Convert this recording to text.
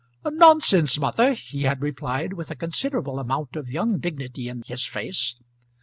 "Nonsense, mother," he had replied, with a considerable amount of young dignity in his face.